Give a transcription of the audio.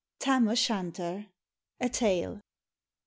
TAM O' SIIAXTER. A TALE.